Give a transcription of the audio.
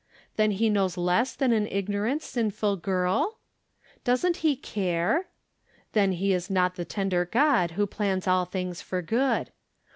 Then he knows less than an ignorant, sinful girl ? Doesn't he care ? Then he is not the tender God who plans all things for good.